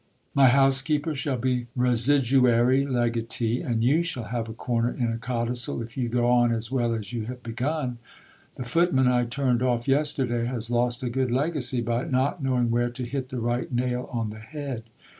My housekeeper shall be residuary legatee ; and you shall have a corner in a codicil, if you go on as well as you have begun. The footman I turned off yesterday has lost a good legacy, by not knowing where to hit the right nail on the head.